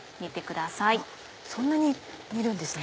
そんなに煮るんですね。